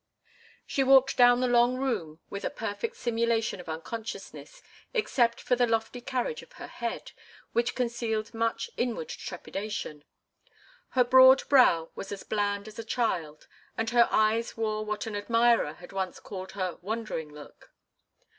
She walked down the long room with a perfect simulation of unconsciousness, except for the lofty carriage of her head, which concealed much inward trepidation. Her broad brow was as bland as a child's, and her eyes wore what an admirer had once called her "wondering look."